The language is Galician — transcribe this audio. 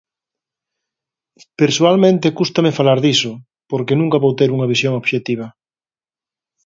Persoalmente cústame falar diso, porque nunca vou ter unha visión obxectiva.